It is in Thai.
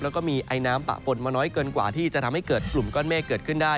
แล้วก็มีไอน้ำปะปนมาน้อยเกินกว่าที่จะทำให้เกิดกลุ่มก้อนเมฆเกิดขึ้นได้